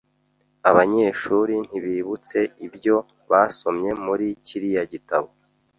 Abanyeshuri ntibibutse ibyo basomye muri kiriya gitabo.